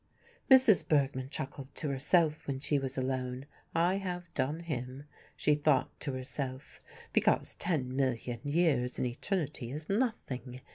Mrs. Bergmann chuckled to herself when she was alone. "I have done him," she thought to herself, "because ten million years in eternity is nothing.